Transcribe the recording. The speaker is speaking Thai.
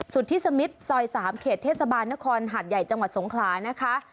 สุธิสมิทซอย๓เขตเทศบาลนครหาดใหญ่จังหวัดสงขลานะคะ